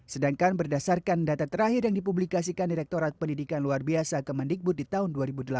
sedangkan berdasarkan data terakhir yang dipublikasikan direktorat pendidikan luar biasa kemendikbud di tahun dua ribu delapan belas